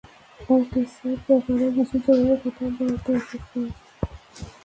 ও কেসের ব্যাপারে কিছু জরুরি কথা বলতে এসেছে।